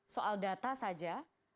soal data saja